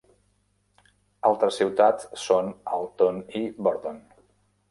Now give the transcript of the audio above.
Altres ciutats són Alton i Bordon.